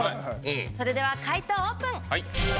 それでは解答オープン。